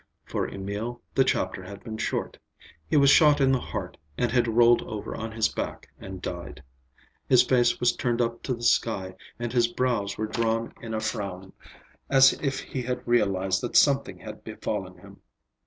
For Emil the chapter had been short. He was shot in the heart, and had rolled over on his back and died. His face was turned up to the sky and his brows were drawn in a frown, as if he had realized that something had befallen him.